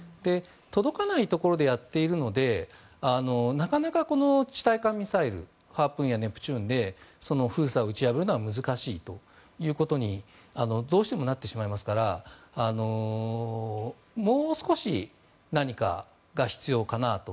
届かないところでやっているのでなかなか地対艦ミサイルのハープーンやネプチューンで封鎖を打ち破るのは難しいということにどうしてもなってしまいますからもう少し何かが必要かなと。